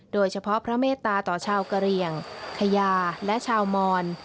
โดยเฉพาะพระเมตตาต่อชาวกะเหลี่ยงขยาและชาวมอน